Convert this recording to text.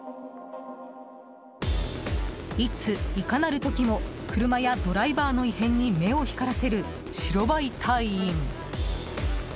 いつ、いかなる時も車やドライバーの異変に目を光らせる白バイ隊員。